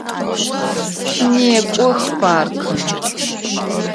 Некӏох паркым!